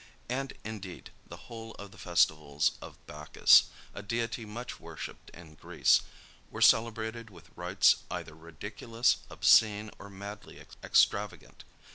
And, indeed, the whole of the festivals of Bacchus, a deity much worshipped in Greece, were celebrated with rites either ridiculous, obscene, or madly extravagant.